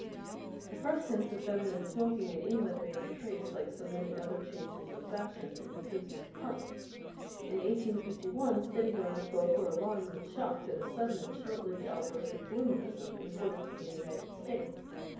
The first hints of feminine smoking in England may be traced, like so many other changes in fashion, in the pages of Punch. In 1851, steady going folk were alarmed and shocked at a sudden and short lived outburst of "bloomerism," imported from the United States.